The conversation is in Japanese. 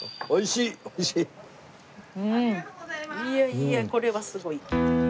いやいやこれはすごい。